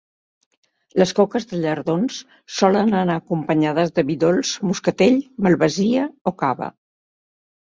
Les coques de llardons solen anar acompanyades de vi dolç, moscatell, malvasia o cava.